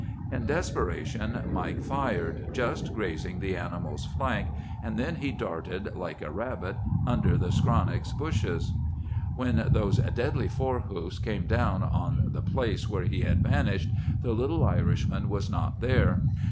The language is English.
"In desperation Mike fired, just grazing the animal's flank, and then he darted, like a rabbit, under the skronnick bushes. "When those deadly forehoofs came down on the place where he had vanished, the little Irishman was not there.